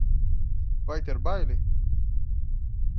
Vai ter baile?